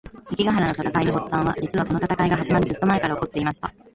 関ヶ原の戦いの発端は、実はこの戦いが始まるずっと前から起こっていました。